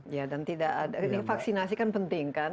ya dan tidak ada ini vaksinasi kan penting kan